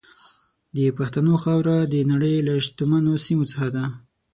د پښتنو خاوره د نړۍ له شتمنو سیمو څخه ده.